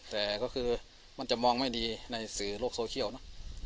แต่ก็คือมันจะมองไม่ดีในสื่อโลกโซเชียลเนอะ